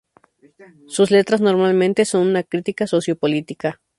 Sus letras normalmente son una crítica socio-política.